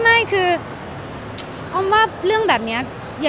ไม่คืออ้อมว่าเรื่องแบบนี้